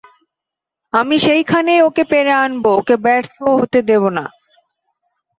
আমি সেইখানেই ওকে পেড়ে আনব, ওকে ব্যর্থ হতে দেব না।